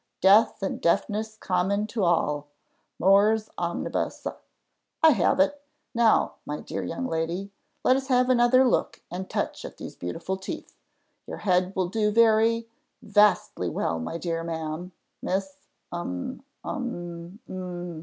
Death and deafness common to all mors omnibus. I have it. Now, my dear young lady, let us have another look and touch at these beautiful teeth. Your head will do very vastly well, my dear ma'am Miss um, um, um!"